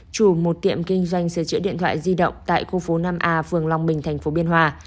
chủ một tiệm kinh doanh sửa chữa điện thoại di động tại khu phố năm a phường long bình tp biên hòa